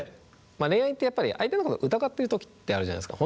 恋愛ってやっぱり相手のこと疑ってる時ってあるじゃないですか。